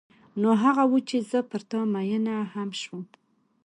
نو هغه و چې زه پر تا مینه هم شوم.